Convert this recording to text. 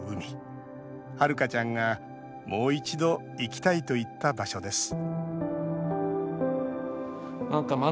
はるかちゃんが「もう一度、行きたい」と言った場所です